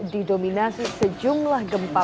didominasi sejumlah gempa